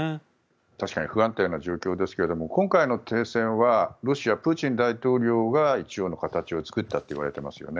確かに不安定な状況ですが今回の停戦はロシア、プーチン大統領が一応の形を作ったといわれていますよね。